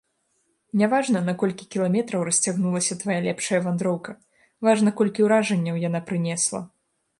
Няважна, на колькі кіламетраў расцягнулася твая лепшая вандроўка, важна, колькі уражанняў яна прынесла!